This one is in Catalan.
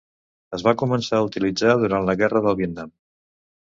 Es va començar a utilitzar durant la Guerra del Vietnam.